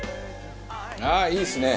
ああいいですね。